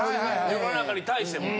世の中に対しても。